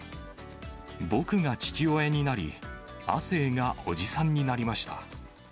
僕が父親になり、亜生が叔父さんになりました。